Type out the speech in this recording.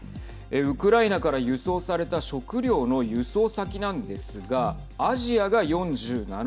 ウクライナから輸送された食料の輸送先なんですがアジアが４７％